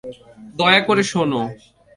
দয়া করে, শোন।